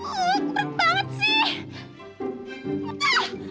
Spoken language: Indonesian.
uh berat banget sih